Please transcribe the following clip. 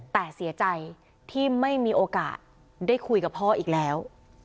แต่เสียใจที่ไม่มีโอกาสได้คุยกับพ่ออีกแล้ว